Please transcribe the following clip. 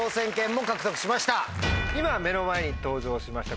今目の前に登場しました